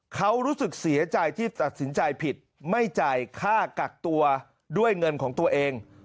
เขารู้สึกเสียใจที่ตัดสินใจผิดไม่จ่ายค่ากักตัวด้วยเงินของตัวเอง